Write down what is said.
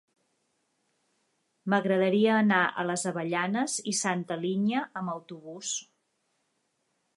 M'agradaria anar a les Avellanes i Santa Linya amb autobús.